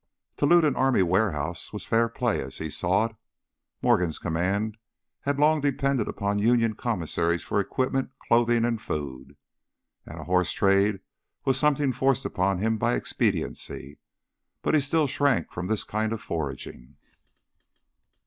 To loot an army warehouse was fair play as he saw it. Morgan's command had long depended upon Union commissaries for equipment, clothing, and food. And a horse trade was something forced upon him by expediency. But he still shrank from this kind of foraging.